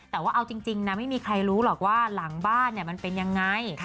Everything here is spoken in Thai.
แต่ว่าเอาจริงนะไม่มีใครรู้หรอกว่าหลังบ้านมันเป็นยังไง